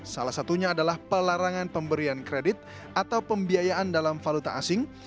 salah satunya adalah pelarangan pemberian kredit atau pembiayaan dalam valuta asing